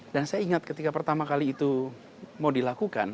dan saya ingat ketika pertama kali itu mau dilakukan